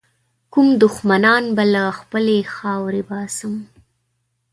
کوم دښمنان به له خپلي خاورې باسم.